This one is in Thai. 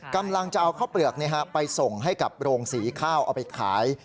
กำลังจะเอาข้าวเปลือกไปส่งให้กับโรงสีข้าวเอาไปขาย